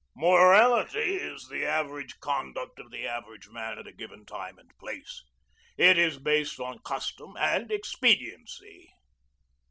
"Morality is the average conduct of the average man at a given time and place. It is based on custom and expediency.